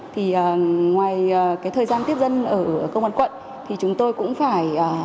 thì ngoài thời gian tiếp dân ở công an quận thì chúng tôi cũng phải